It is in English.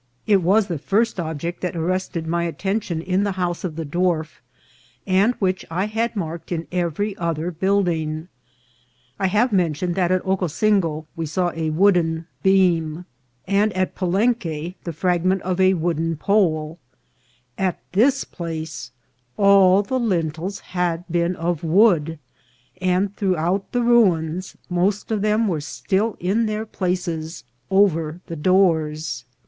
It was the first object that had arrested my attention in the house of the dwarf, and which I had marked in every other building. I have mentioned that at Ocosingo we saw a wooden beam, and at Palenque the fragment of a wood en pole ; at this place all the lintels had been of wood, and throughout the ruins most of them were still in their places over the doors.